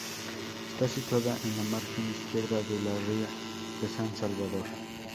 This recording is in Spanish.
Está situada en la margen izquierda de la ría de San Salvador.